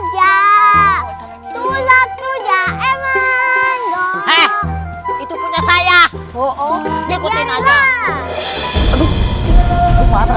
jalur jatuh waktu jahe menggong itu punya saya